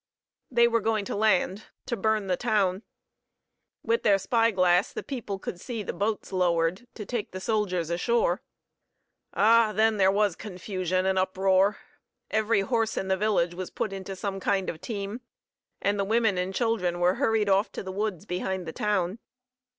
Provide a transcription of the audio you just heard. They were going to land to burn the town. With their spy glass the people could see the boats lowered to take the soldiers ashore. Ah! then there was confusion and uproar. Every horse in the village was put into some kind of team, and the women and children were hurried off to the woods behind the town.